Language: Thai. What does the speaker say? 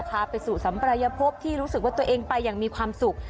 พาไปสู่สัมปรายภพที่รู้สึกว่าตัวเองไปอย่างมีความสุข